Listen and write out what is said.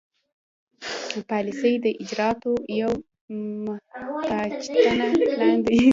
پالیسي د اجرااتو یو محتاطانه پلان دی.